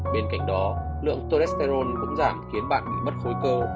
bên cạnh đó lượng cholesterol cũng giảm khiến bạn bị mất khối cơ